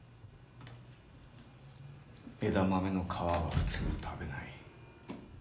枝豆の皮は普通食べない。